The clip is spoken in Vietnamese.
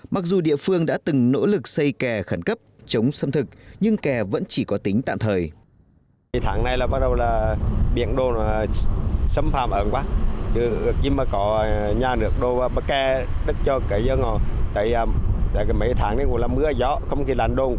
mặc dù địa phương đã từng nỗ lực xây kè khẩn cấp chống xâm thực nhưng kè vẫn chỉ có tính tạm thời